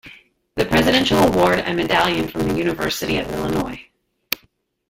The Presidential Award and Medallion from the University of Illinois.